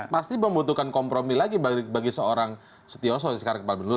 pasti membutuhkan kompromi lagi bagi seorang soekar kepala penduduk